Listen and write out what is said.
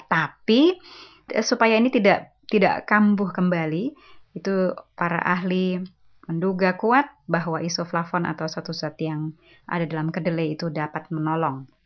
tapi supaya ini tidak kambuh kembali itu para ahli menduga kuat bahwa isoflavon atau satu zat yang ada dalam kedelai itu dapat menolong